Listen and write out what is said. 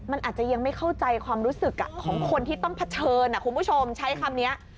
อาจไม่เข้าใจความรู้สึกของคนที่ต้องเผชิญ